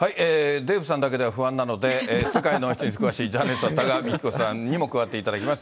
デーブさんだけでは不安なので、世界の王室に詳しいジャーナリスト、多賀幹子さんにも加わっていただきます。